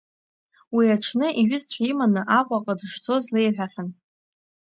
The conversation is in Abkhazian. Уи аҽны иҩызцәа иманы Аҟәаҟа дышцоз леиҳәахьан.